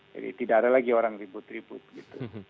jadi tidak ada lagi orang ribut ribut gitu